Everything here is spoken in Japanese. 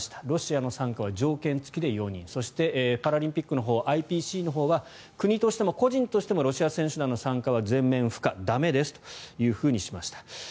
ロシアの参加は条件付きで容認そしてパラリンピックのほうＩＰＣは国としても個人としてもロシア選手団の参加は全面不可駄目ですとしました。